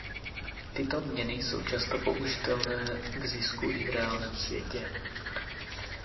Tyto měny jsou často použitelné k zisku i v reálném světě.